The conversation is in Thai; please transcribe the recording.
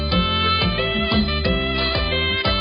โฮฮะไอ้ยะฮู้ไอ้ยะ